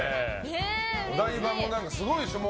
お台場もすごいでしょ。